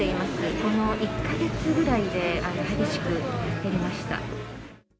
この１か月ぐらいで激しく減りました。